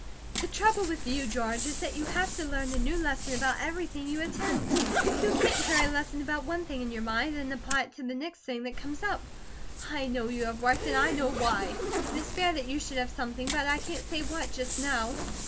"The trouble with you, George, is that you have to learn a new lesson about every thing you attempt. You can't carry a lesson about one thing in your mind, and apply it to the next thing that comes up. I know you have worked, and I know why. It is fair that you should have something, but I can't say what, just now.